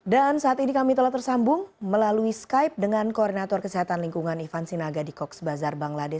dan saat ini kami telah tersambung melalui skype dengan koordinator kesehatan lingkungan ivan sinaga di cox's bazar bangladesh